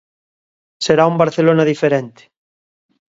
Será un Barcelona diferente.